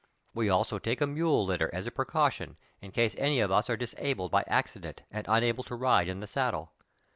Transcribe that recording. We also take a mule litter as a precaution, in case any of us are disabled by acci dent and unable to ride in the saddle.